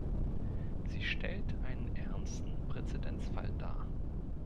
Sie stellt einen ernsten Präzedenzfall dar.